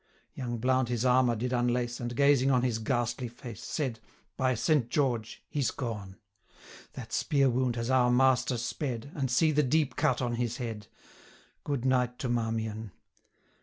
... Young Blount his armour did unlace, And gazing on his ghastly face, 865 Said 'By Saint George, he's gone! That spear wound has our master sped, And see the deep cut on his head! Good night to Marmion.'